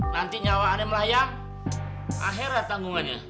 nanti nyawa aneh melayang akhirnya tanggungannya